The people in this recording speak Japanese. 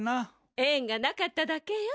えんがなかっただけよ。